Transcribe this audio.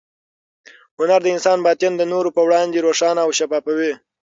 هنر د انسان باطن د نورو په وړاندې روښانه او شفافوي.